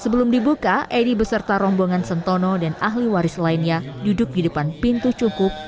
sebelum dibuka edi beserta rombongan sentono dan ahli waris lainnya duduk di depan pintu cungkup